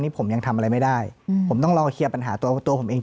นี่ผมยังทำอะไรไม่ได้ผมต้องรอเคลียร์ปัญหาตัวตัวผมเอง